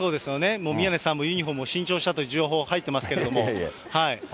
もう宮根さんも、ユニホームを新調したという情報入っていますけど。